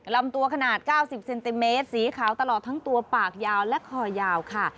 ลำตัวขนาด๙๐เซนติเมตรสีขาวตลอดทั้งตัวปากยาวและคอยาวค่ะ